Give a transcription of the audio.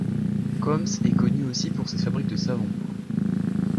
Khoms est connu aussi pour ses fabriques de savon.